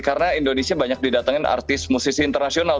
karena indonesia banyak didatangin artis musisi internasional